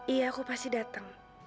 iya aku pasti datang